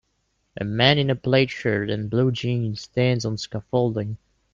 A man in a plaid shirt and blue jeans stands on scaffolding.